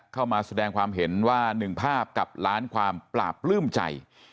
เข้ามาแสดงความเห็นว่า๑ภาพกับล้านความปราบปลื้มใจ